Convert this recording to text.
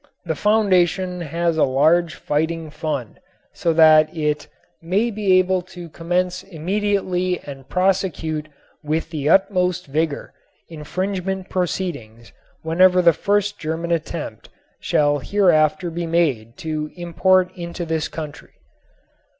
The Foundation has a large fighting fund so that it "may be able to commence immediately and prosecute with the utmost vigor infringement proceedings whenever the first German attempt shall hereafter be made to import into this country."